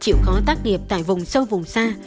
chịu khó tác nghiệp tại vùng sâu vùng xa